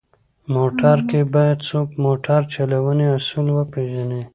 موټر کې باید څوک موټر چلونې اصول وپېژني.